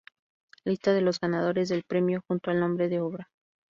Lista de los ganadores del premio, junto al nombre de obra.